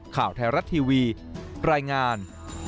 ข่าวไทยรัฐทีวีรายงาน